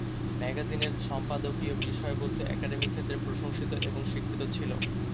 ম্যাগাজিনের সম্পাদকীয় বিষয়বস্তু একাডেমিক ক্ষেত্রে প্রশংসিত এবং স্বীকৃত ছিল।